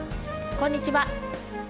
こんにちは。